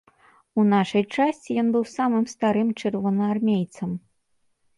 У нашай часці ён быў самым старым чырвонаармейцам.